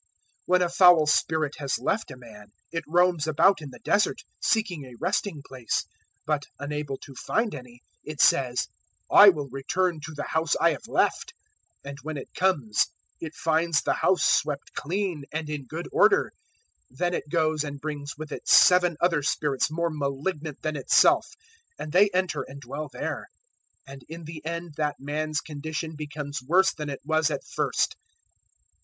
011:024 "When a foul spirit has left a man, it roams about in the Desert, seeking a resting place; but, unable to find any, it says, `I will return to the house I have left;" 011:025 and when it comes, it finds the house swept clean and in good order. 011:026 Then it goes and brings with it seven other spirits more malignant than itself, and they enter and dwell there; and in the end that man's condition becomes worse than it was at first.